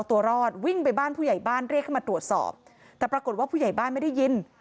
แกมีปืนไหมไม่มี